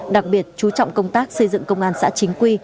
đặc biệt chú trọng công tác xây dựng công an xã chính quy